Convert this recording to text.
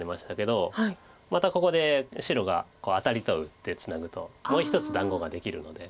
またここで白がアタリと打ってツナぐともう１つ団子ができるので。